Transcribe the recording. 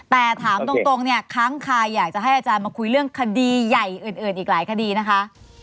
แต่ถามตรงเนี่ยค้างคายอยากจะให้อาจารย์มาคุยเรื่องคดีใหญ่อื่นอีกหลายคดีนะคะ